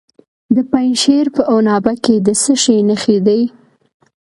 د پنجشیر په عنابه کې د څه شي نښې دي؟